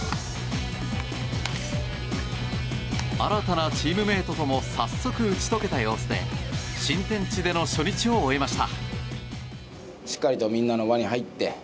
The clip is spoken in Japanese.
新たなチームメートとも早速打ち解けた様子で新天地での初日を終えました。